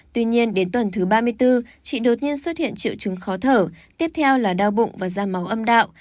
tuy nhiên đến tuần thứ ba mươi bốn chị đột nhiên xuất hiện triệu chứng khó thở tiếp theo là đau bụng và da máu âm đạo